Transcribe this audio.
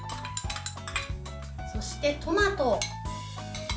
そして、トマト。